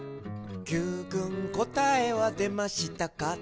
「Ｑくんこたえはでましたか？」